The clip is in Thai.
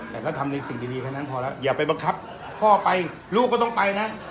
แต่ก็ทำในสิ่งดีแค่นั้นพอแล้วอย่าไปบังคับพ่อไปลูกก็ต้องไปนะ